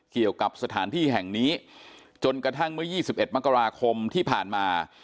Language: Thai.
เกี่ยวกับสถานที่แห่งนี้จนกระทั่งเมื่อ๒๑มกราคมที่ผ่านมา